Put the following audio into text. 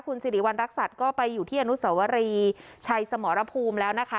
คุณสิริวัณรักษัตริย์ก็ไปอยู่ที่อนุสวรีชัยสมรภูมิแล้วนะคะ